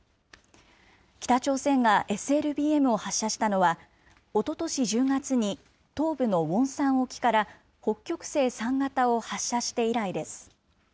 北朝鮮がＳＬＢＭを発射したのは、おととし１０月に東部のウォンサン沖から北極星３型を発射して以来です。